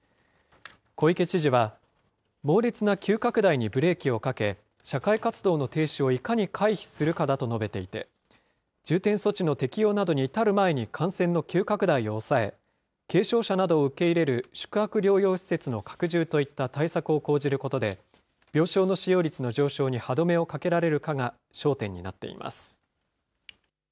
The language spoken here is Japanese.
小池知事は、猛烈な急拡大にブレーキをかけ、社会活動の停止をいかに回避するかだと述べていて、重点措置の適用などに至る前に感染の急拡大を抑え、軽症者などを受け入れる宿泊療養施設の拡充といった対策を講じることで、病床の使用率の上昇に歯止めをかけられるかが焦点になっています。